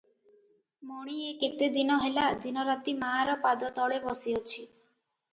ମଣି ଏ କେତେ ଦିନ ହେଲା ଦିନରାତି ମାର ପାଦତଳେ ବସିଅଛି ।